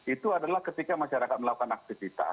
itu adalah ketika masyarakat melakukan aktivitas